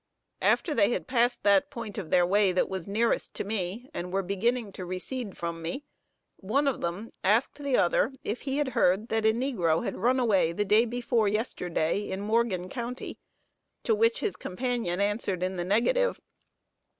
After they had passed that point of their way that was nearest to me, and were beginning to recede from me, one of them asked the other if he had heard that a negro had run away the day before yesterday, in Morgan county; to which his companion answered in the negative.